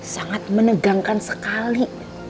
sangat menegangkan sekali